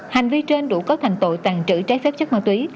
hành vi trên đủ cấu thành tội tàn trữ trái phép chất ma túy